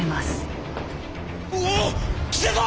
おお来たぞ！